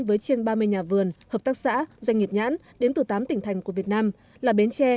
với trên ba mươi nhà vườn hợp tác xã doanh nghiệp nhãn đến từ tám tỉnh thành của việt nam là bến tre